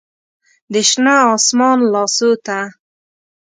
د شنه اسمان لاسو ته